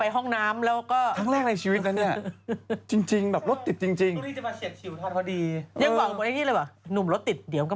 ห้องน้ำแล้วก็